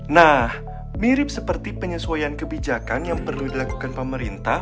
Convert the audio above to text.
nah mirip seperti penyesuaian kebijakan yang perlu dilakukan pemerintah